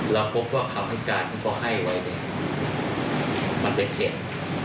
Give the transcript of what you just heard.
แล้วพบว่าคำให้การเขาก็ให้ไว้มันเป็นเหตุ